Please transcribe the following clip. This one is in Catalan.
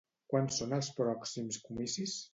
Quan són els pròxims comicis?